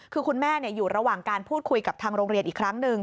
คือคุณแม่อยู่ระหว่างการพูดคุยกับทางโรงเรียนอีกครั้งหนึ่ง